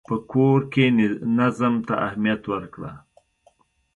په کور کې نظم ته اهمیت ورکړه.